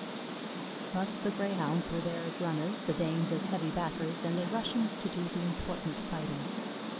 Thus the Greyhounds were there as runners, the Danes as heavy backers, and the Russians to do the important fighting.